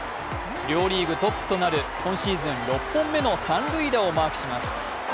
両リーグトップとなる今シーズン６本目の三塁打をマークします。